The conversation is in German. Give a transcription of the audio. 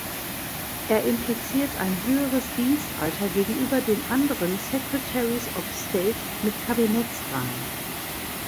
Er impliziert ein höheres Dienstalter gegenüber den anderen Secretaries of State mit Kabinettsrang.